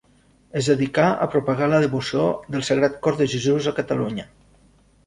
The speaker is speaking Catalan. Es dedicà a propagar la devoció del Sagrat Cor de Jesús a Catalunya.